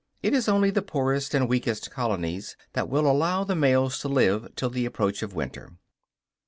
It is only the poorest and weakest colonies that will allow the males to live till the approach of winter.